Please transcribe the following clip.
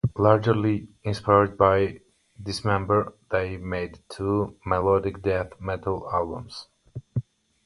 Largely inspired by Dismember, they made two melodic death metal albums.